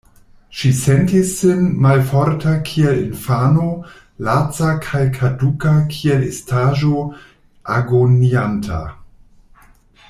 Ŝi sentis sin malforta kiel infano, laca kaj kaduka kiel estaĵo agonianta.